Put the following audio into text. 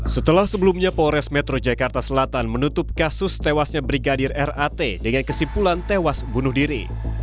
setelah sebelumnya polres metro jakarta selatan menutup kasus tewasnya brigadir rat dengan kesimpulan tewas bunuh diri